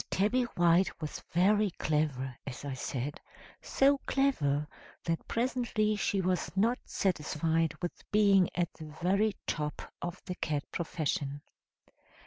Tabby White was very clever, as I said so clever that presently she was not satisfied with being at the very top of the cat profession.